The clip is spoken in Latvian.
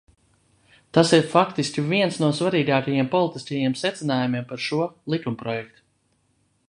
Tas ir faktiski viens no svarīgākajiem politiskajiem secinājumiem par šo likumprojektu.